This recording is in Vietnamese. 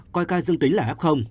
coi ca dương tính là f